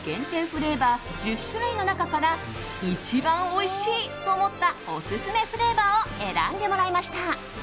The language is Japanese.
フレーバー１０種類の中から一番おいしいと思ったオススメフレーバーを選んでもらいました。